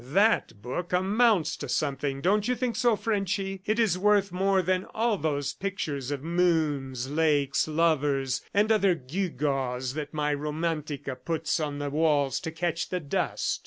"That book amounts to something! Don't you think so, Frenchy? It is worth more than all those pictures of moons, lakes, lovers and other gewgaws that my Romantica puts on the walls to catch the dust."